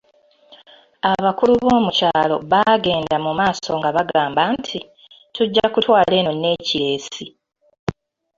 Abakulu bo mu kyalo baagenda mu maaso nga bagamba nti, tujja kutwala eno nekkireesi.